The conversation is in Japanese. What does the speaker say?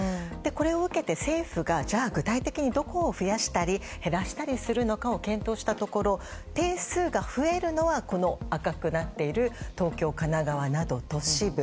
これを受けて政府がじゃあ具体的にどこを増やしたり減らしたりするのかを検討したところ定数が増えるのは赤くなっている東京、神奈川など都市部。